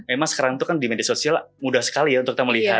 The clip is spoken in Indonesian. emang sekarang itu kan di media sosial mudah sekali ya untuk kita melihat